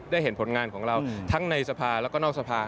เห็นผลงานของเราทั้งในสภาแล้วก็นอกสภา